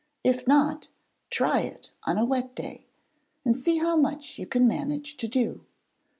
If not, try it on a wet day, and see how much you can manage to do.